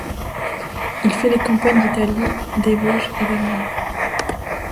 Il fait les campagnes d'Italie, des Vosges et d'Allemagne.